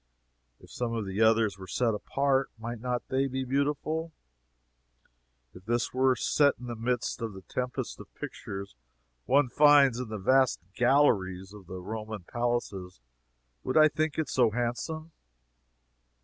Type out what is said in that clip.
If some of the others were set apart, might not they be beautiful? If this were set in the midst of the tempest of pictures one finds in the vast galleries of the Roman palaces, would I think it so handsome?